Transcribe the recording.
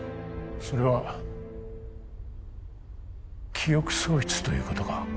それは記憶喪失ということか？